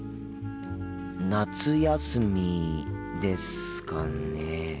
夏休みですかね。